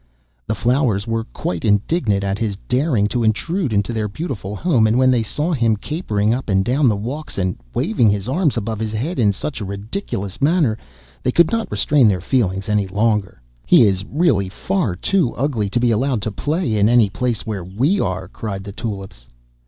The Flowers were quite indignant at his daring to intrude into their beautiful home, and when they saw him capering up and down the walks, and waving his arms above his head in such a ridiculous manner, they could not restrain their feelings any longer. 'He is really far too ugly to be allowed to play in any place where we are,' cried the Tulips.